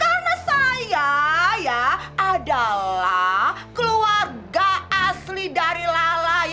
karena saya adalah keluarga asli dari lala